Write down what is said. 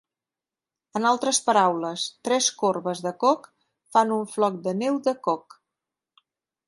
En altres paraules, tres corbes de Koch fan un floc de neu de Koch.